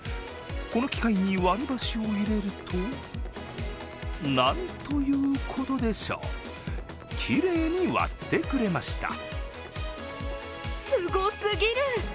この機械に割り箸を入れるとなんということでしょう、きれいに割ってくれました。